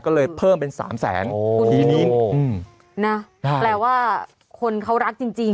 ก็เลยเพิ่มเป็นสามแสนทีนี้นะแปลว่าคนเขารักจริงจริง